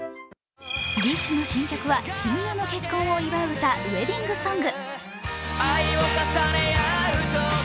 ＤＩＳＨ／／の新曲は親友の結婚を祝う歌「ウェディングソング」。